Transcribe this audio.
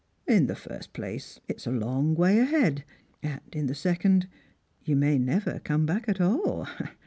In the first place, it's a long way ahead; and in the second, you may never come back at all.